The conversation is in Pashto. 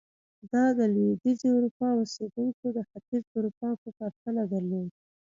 دا د لوېدیځې اروپا اوسېدونکو د ختیځې اروپا په پرتله درلود.